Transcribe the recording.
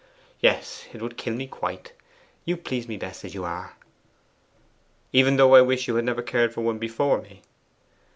Yes, it would kill me quite. You please me best as you are.' 'Even though I wish you had never cared for one before me?